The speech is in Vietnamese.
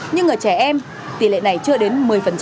nhưng ở trẻ em tỷ lệ này chưa đến một mươi